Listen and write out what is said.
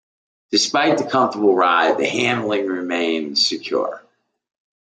Despite the comfortable ride, the handling remained secure.